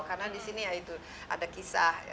karena disini ya itu ada kisah